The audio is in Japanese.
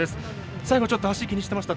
最後、ちょっと足気にしてました。